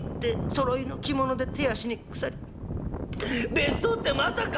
別荘ってまさか」。